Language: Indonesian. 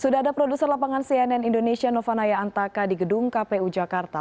sudah ada produser lapangan cnn indonesia novanaya antaka di gedung kpu jakarta